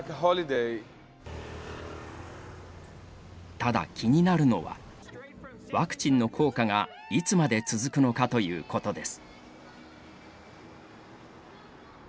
ただ気になるのはワクチンの効果がいつまで続くのかということです。